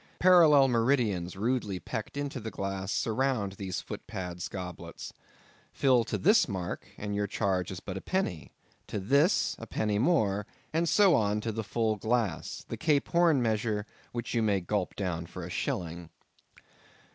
Parallel meridians rudely pecked into the glass, surround these footpads' goblets. Fill to this mark, and your charge is but a penny; to this a penny more; and so on to the full glass—the Cape Horn measure, which you may gulp down for a shilling.